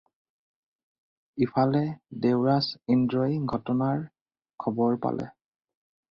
ইফালে দেৱৰাজ ইন্দ্ৰই ঘটনাৰ খবৰ পালে।